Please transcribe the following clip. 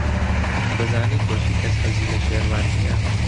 دەزانیت بۆچی کەس حەزی لە شێروان نییە؟